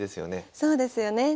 そうですよね。